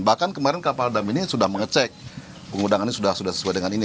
bahkan kemarin kapal dam ini sudah mengecek pengundangannya sudah sesuai dengan ini